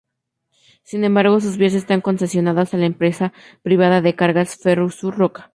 Sin embargo sus vías están concesionadas a la empresa privada de cargas Ferrosur Roca.